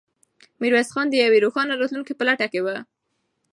میرویس خان د یوې روښانه راتلونکې په لټه کې و.